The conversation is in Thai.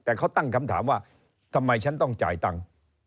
แต่เขาตั้งคำถามว่าทำไมฉันต้องจ่ายตังค์